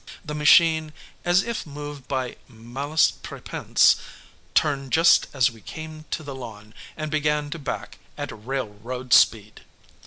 The machine, as if moved by malice prépense, turned just as we came to the lawn, and began to back at railroad speed.